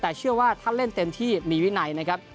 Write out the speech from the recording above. แต่เชื่อว่าถ้าเล่นเต็มที่มีวินัยนะครับ